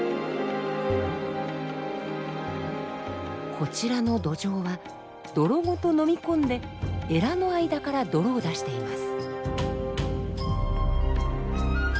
こちらのドジョウは泥ごと飲み込んでエラの間から泥を出しています。